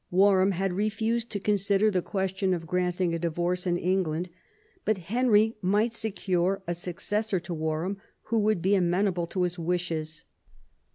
Warham had refused to con sider the question of granting a divorce in England ; but Henry might secure a successor to Warham who would be amenable to his wishes.